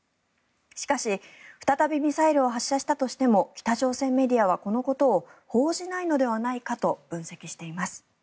しかし、再びミサイルを発射したとしても北朝鮮メディアは、このことを報じないのではないかと分析しています。